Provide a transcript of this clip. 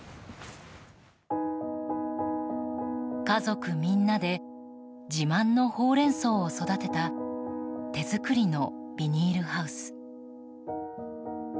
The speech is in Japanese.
家族みんなで自慢のほうれん草を育てた手作りのビニールハウス。